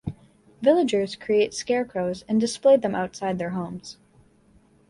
Villagers create scarecrows and display them outside their homes.